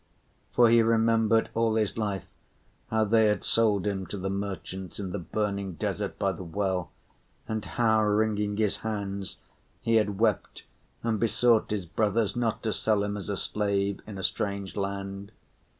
For he remembered all his life how they had sold him to the merchants in the burning desert by the well, and how, wringing his hands, he had wept and besought his brothers not to sell him as a slave in a strange land.